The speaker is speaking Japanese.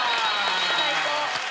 最高。